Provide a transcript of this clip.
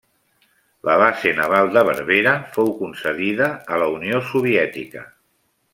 La base naval de Berbera fou concedida a la Unió Soviètica.